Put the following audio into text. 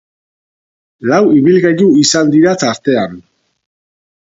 Lau ibilgailu izan dira tartean.